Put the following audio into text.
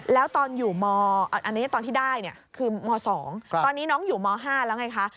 แล้วตอนที่ได้คือมสองตอนนี้น้องอยู่มห้าแล้วไงคะ